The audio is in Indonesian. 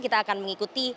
kita akan mengikuti